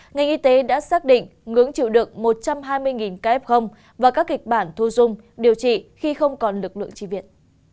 ngành y tế đã xác định ngưỡng chịu được một trăm hai mươi ca ép không và các kịch bản thu dung điều trị khi không còn lực lượng tri viện